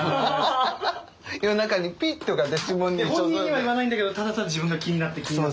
本人には言わないんだけどただただ自分が気になって気になって。